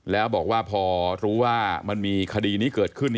แล้วบอกว่าพอรู้ว่ามันมีคดีนี้เกิดขึ้น